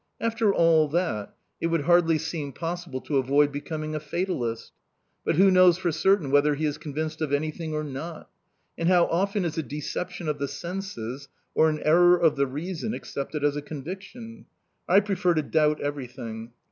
After all that, it would hardly seem possible to avoid becoming a fatalist? But who knows for certain whether he is convinced of anything or not? And how often is a deception of the senses or an error of the reason accepted as a conviction!... I prefer to doubt everything.